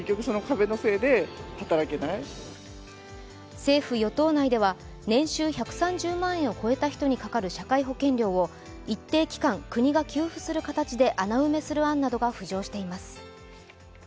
政府・与党内では年収１３０万円を超えた人にかかる社会保険料を一定期間、国が給付する形で穴埋めする案などが浮上しています。